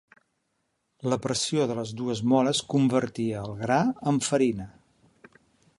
La pressió de les dues moles convertia el gran en farina.